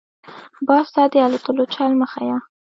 - باز ته دالوتلو چل مه ښیه.